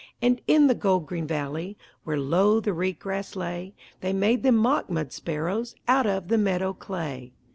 And in the gold green valley, Where low the reed grass lay, They made them mock mud sparrows Out of the meadow clay.